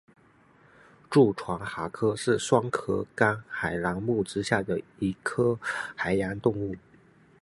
蛀船蛤科是双壳纲海螂目之下的一科海洋动物。